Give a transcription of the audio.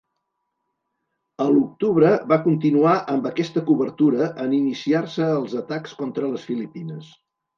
A l'octubre va continuar amb aquesta cobertura en iniciar-se els atacs contra les Filipines.